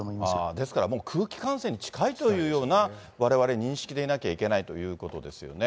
ですから空気感染に近いというようなわれわれ認識でいなきゃいけないということですよね。